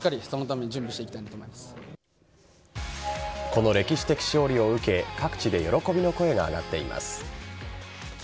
この歴史的勝利を受け各地で喜びの声が上がっています。